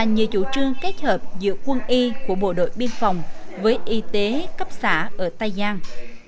như chủ trương kết hợp giữa quân y của bộ đội biên phòng với y tế cấp xã ở tây giang